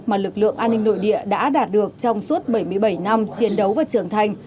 mà lực lượng an ninh nội địa đã đạt được trong suốt bảy mươi bảy năm chiến đấu và trưởng thành